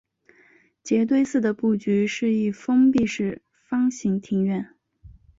杰堆寺的布局是一封闭式方形庭院。